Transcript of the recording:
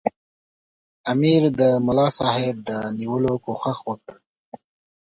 امیر د ملاصاحب د نیولو کوښښ وکړ.